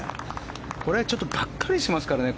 これはちょっとがっかりしますからね。